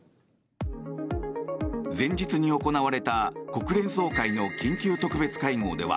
前日に行われた国連総会の緊急特別会合では